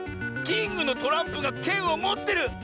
キングのトランプがけんをもってる！